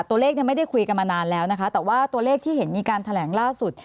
ตัวเลขไม่ได้คุยกันมานานแล้วนะคะแต่ว่าตัวเลขที่เห็นมีการแถลงล่าสุด